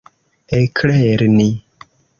eklerni